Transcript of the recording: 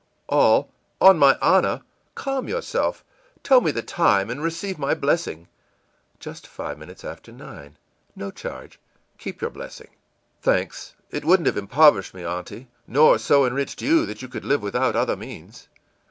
î ìAll on my honor. Calm yourself. Tell me the time, and receive my blessing.î ìJust five minutes after nine. No charge keep your blessing.î ìThanks. It wouldn't have impoverished me, aunty, nor so enriched you that you could live without other means.